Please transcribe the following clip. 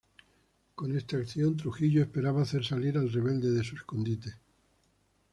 Con está acción, Trujillo esperaba hacer salir al rebelde de su escondite.